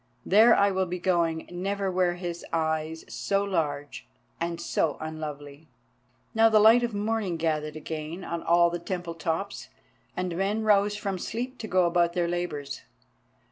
There, I will be going; never were his eyes so large and so unlovely!" Now the light of morning gathered again on all the temple tops, and men rose from sleep to go about their labours.